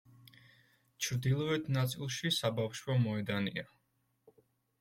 ჩრდილოეთ ნაწილში საბავშვო მოედანია.